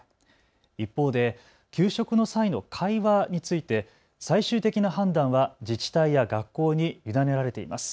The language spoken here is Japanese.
一方で給食の際の会話について最終的な判断は自治体や学校に委ねられています。